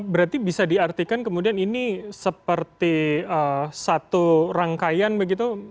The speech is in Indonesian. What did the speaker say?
berarti bisa diartikan kemudian ini seperti satu rangkaian begitu